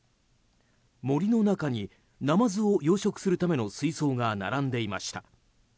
森の中にナマズを養殖するための水槽が並んでいました。